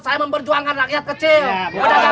saya memperjuangkan rakyat kecil pedagang kecil